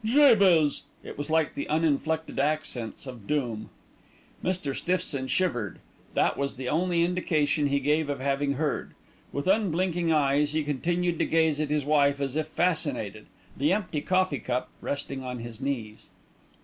"Jabez!" It was like the uninflected accents of doom. Mr. Stiffson shivered; that was the only indication he gave of having heard. With unblinking eyes he continued to gaze at his wife as if fascinated, the empty coffee cup resting on his knees.